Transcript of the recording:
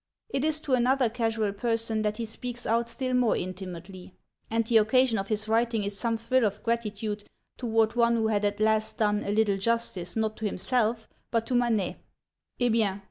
_ It is to another casual person that he speaks out still more intimately (and the occasion of his writing is some thrill of gratitude towards one who had at last done 'a little justice,' not to himself, but to Manet): _Eh bien!